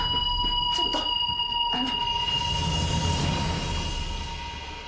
ちょっとあの。